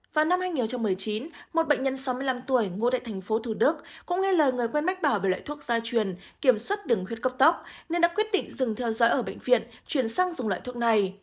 vào năm hai nghìn một mươi chín một bệnh nhân sáu mươi năm tuổi ngụ tại tp thủ đức cũng nghe lời người quen mách bảo về loại thuốc gia truyền kiểm soát đường huyết cấp tóc nên đã quyết định dừng theo dõi ở bệnh viện chuyển sang dùng loại thuốc này